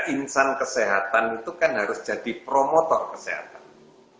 insan kesehatan itu kan harus jadi promotor kesehatan